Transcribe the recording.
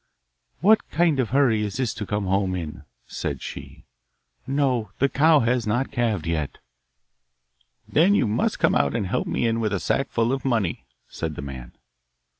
'What kind of a hurry is this to come home in?' said she. 'No, the cow has not calved yet.' 'Then you must come out and help me in with a sackful of money,' said the man.